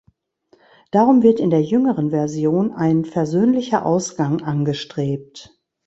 Darum wird in der jüngeren Version ein versöhnlicher Ausgang angestrebt.